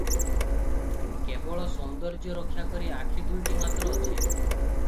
କେବଳ ସୌନ୍ଦର୍ଯ୍ୟ ରକ୍ଷା କରି ଆଖି ଦୁଇଟି ମାତ୍ର ଅଛି ।